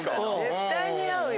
絶対似合うよ。